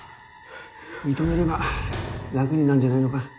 ・認めれば楽になんじゃないのか。